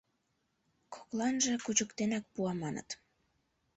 — Кокланже кучыктенак пуа, маныт.